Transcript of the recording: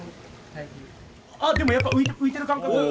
あでもやっぱ浮いてる感覚。